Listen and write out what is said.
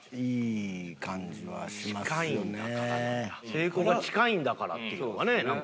「成功が近いんだから」っていうのがねなんか。